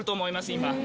今。